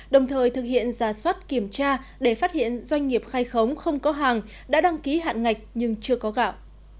đồng thời thực hiện giả soát kiểm tra để phát hiện doanh nghiệp khai khống không có hàng đã đăng ký hạn ngạch nhưng chưa có gạo